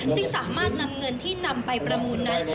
จึงสามารถนำเงินที่นำไปประมูลนั้น